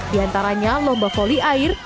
di antaranya lomba voli air